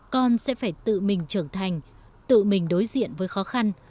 con sẽ phải tự mình trưởng thành tự mình đối diện với khó khăn